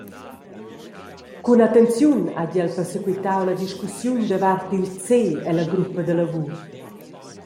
Cun attenziun hagi el persequitau la discussiun davart il «C» ella gruppa da lavur.